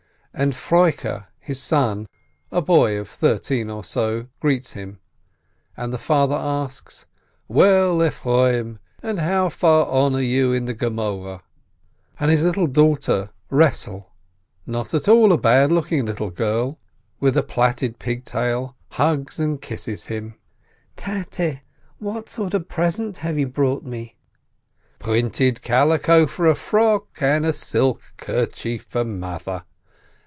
and Froike his son, a boy of thirteen or so, greets him, and the father asks, "Well, Efroim, and how far on are you in the Gemoreh?" and his little daughter Eesele, not at all a bad looking little girl, with a plaited pigtail, hugs and kisses him. "Tate, what sort of present have you brought me ?" "Printed calico for a frock, and a silk kerchief for mother.